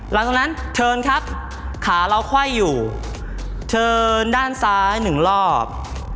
หลังจากนั้นเทิร์นครับขาเราคว่ายอยู่เทิร์นด้านซ้ายหนึ่งรอบ